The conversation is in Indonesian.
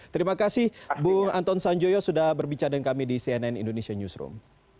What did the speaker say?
terima kasih bu anton sanjoyo sudah berbicara dengan kami di cnn indonesia newsroom